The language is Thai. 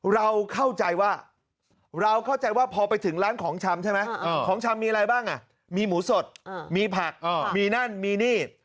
เราเข้าใจว่าเราเข้าใจว่าพอไปถึงร้านของชำใช่ไหมของชำมีอะไรบ้างมีหมูสดมีผักมีนั่นมีนี่